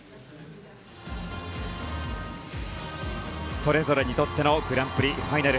それぞれにとってのグランプリファイナル。